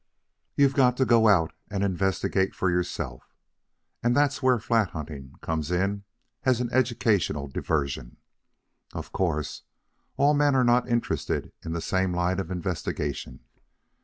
You've got to go out and investigate for yourself, and that's where flat hunting comes in as an educational diversion. Of course, all men are not interested in the same line of investigation.